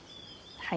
はい。